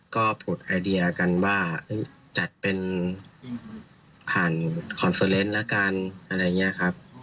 ก็ผุดไอเดียกันว่าจัดเป็นผ่านคอนเฟอร์เนส์ละกันอะไรอย่างนี้ครับ